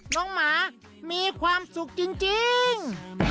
หมามีความสุขจริง